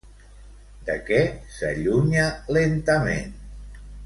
De què s'allunya lentament?